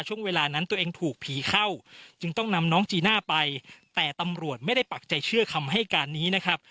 ช่วงเวลานั้นตัวเองถูกผีเข้าจึงต้องนำน้องจีน่าไปแต่ตำรวจไม่ได้ปักใจเชื่อคำให้การนี้นะครับ